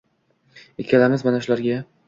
ikkalamiz mana shularga